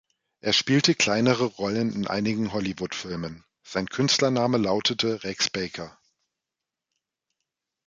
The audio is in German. Er spielte kleinere Rollen in einigen Hollywood-Filmen, sein Künstlername lautete Rex Baker.